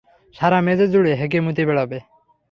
সারা মেঝে জুড়ে হেগে-মুতে বেড়াবে।